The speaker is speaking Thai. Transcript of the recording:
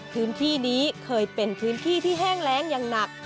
พื้นที่นี้เคยเป็นพื้นที่ที่แห้งแรงอย่างหนัก